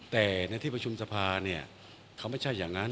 แต่ในที่ประชุมสภาเนี่ยเขาไม่ใช่อย่างนั้น